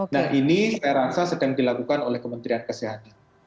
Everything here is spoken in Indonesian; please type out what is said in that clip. nah ini saya rasa sedang dilakukan oleh kementerian kesehatan